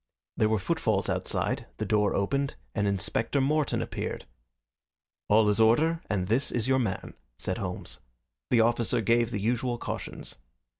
There were footfalls outside, the door opened, and Inspector Morton appeared. "All is in order and this is your man," said Holmes. The officer gave the usual cautions.